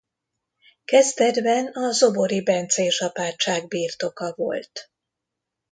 Kezdetben a zobori bencés apátság birtoka volt.